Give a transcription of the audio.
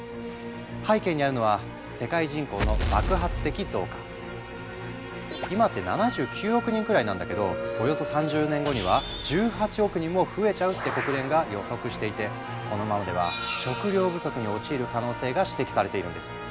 背景にあるのは今って７９億人くらいなんだけどおよそ３０年後には１８億人も増えちゃうって国連が予測していてこのままでは食糧不足に陥る可能性が指摘されているんです。